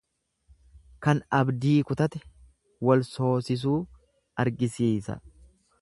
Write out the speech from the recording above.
Kan abdii kutate wal soosisuu argisiisa.